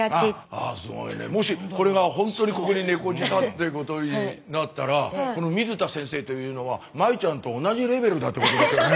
あっあぁすごいねもしこれがほんとにここに「猫舌」ってことになったらこの水田先生というのは麻衣ちゃんと同じレベルだってことだよね。